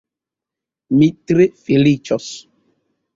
Mi tre feliĉos.